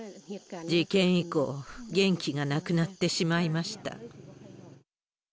事件以降、元気がなくなってしまいました。